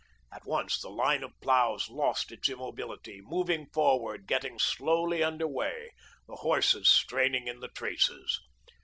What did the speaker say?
At once the line of ploughs lost its immobility, moving forward, getting slowly under way, the horses straining in the traces.